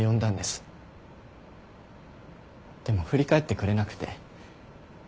でも振り返ってくれなくて。